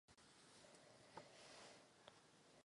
Juniorská vicemistryně světa v lezení na obtížnost.